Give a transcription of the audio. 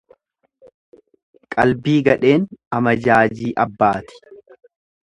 Qalbii gadheen amajaajii abbaati.